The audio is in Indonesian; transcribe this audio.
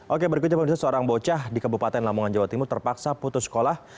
oke berikutnya pemirsa seorang bocah di kabupaten lamongan jawa timur terpaksa putus sekolah